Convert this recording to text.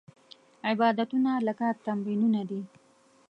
عبادتونه لکه تمرینونه دي.